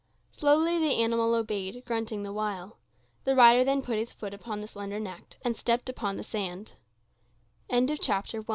Slowly the animal obeyed, grunting the while. The rider then put his foot upon the slender neck, and stepped upon the